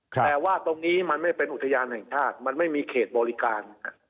แต่ว่าตรงนี้มันไม่เป็นอุทยานแห่งชาติมันไม่มีเขตบริการ